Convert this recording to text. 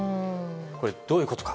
これ、どういうことか。